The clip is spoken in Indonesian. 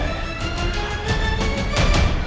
apa yang nemuin